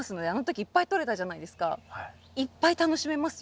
いっぱい楽しめますよ。